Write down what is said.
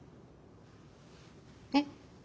えっ。